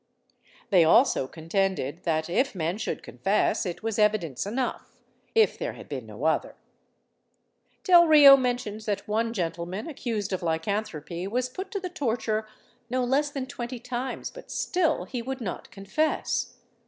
They also contended that, if men should confess, it was evidence enough, if there had been no other. Delrio mentions that one gentleman accused of lycanthropy was put to the torture no less than twenty times; but still he would not confess.